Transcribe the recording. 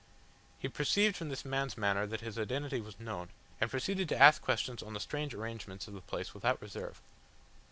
He perceived from this man's manner that his identity was known, and proceeded to ask questions on the strange arrangements of the place without reserve.